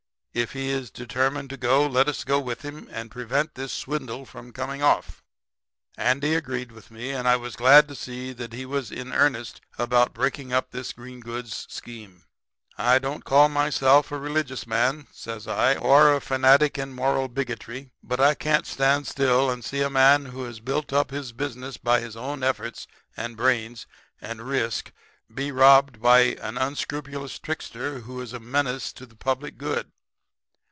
If he is determined to go let us go with him and prevent this swindle from coming off.' "Andy agreed with me; and I was glad to see that he was in earnest about breaking up this green goods scheme. "'I don't call myself a religious man,' says I, 'or a fanatic in moral bigotry, but I can't stand still and see a man who has built up his business by his own efforts and brains and risk be robbed by an unscrupulous trickster who is a menace to the public good.'